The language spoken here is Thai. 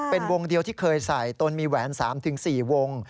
เป็นวงเดียวที่เคยใส่ตนมีแหวน๓๔วง